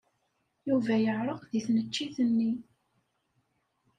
Yuba yeɛreq deg tneččit-nni.